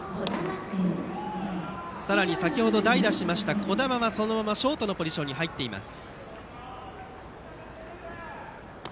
さらに、先程代打した児玉はそのままショートのポジションに入っています。